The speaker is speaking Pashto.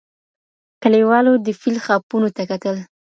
کلیوالو د فیل خاپونو ته کتل.